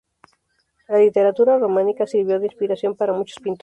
La literatura romántica sirvió de inspiración para muchos pintores.